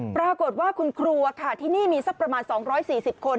ปรากฏว่าคุณครัวค่ะที่นี่มีสักประมาณ๒๔๐คน